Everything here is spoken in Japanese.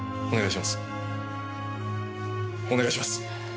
お願いします！